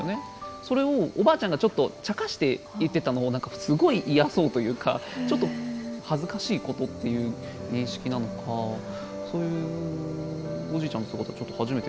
それをおばあちゃんがちょっとちゃかして言ってたのを何かすごい嫌そうというかちょっと恥ずかしいことっていう認識なのかそういうおじいちゃんの姿ちょっと初めて見たんで。